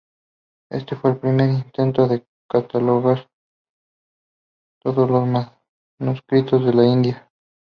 Este fue el primer intento de catalogar todos los manuscritos de la India.